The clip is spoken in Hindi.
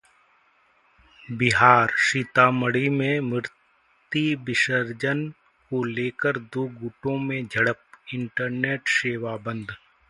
बिहार: सीतामढ़ी में मूर्ति विसर्जन को लेकर दो गुटों में झड़प, इंटरनेट सेवा बंद